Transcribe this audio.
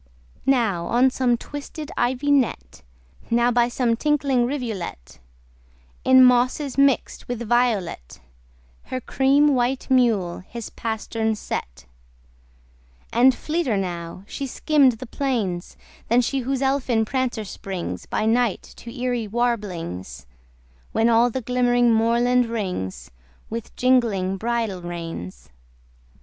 Now on some twisted ivy net, Now by some tinkling rivulet, In mosses mixt with violet Her cream white mule his pastern set: And fleeter now she skimm'd the plains Than she whose elfin prancer springs By night to eery warblings, When all the glimmering moorland rings With jingling bridle reins.